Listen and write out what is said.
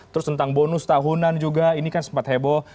terus tentang bonus tahunan juga ini kan sempat heboh